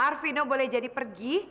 arvino boleh jadi pergi